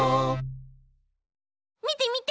みてみて！